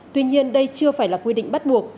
tuy nhiên đây chưa phải là quy định bắt buộc